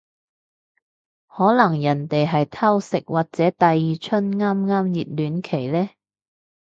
可能人哋係偷食或者第二春啱啱熱戀期呢